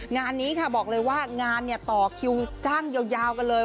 งานนี้ค่ะบอกเลยว่างานต่อคิวจ้างยาวกันเลย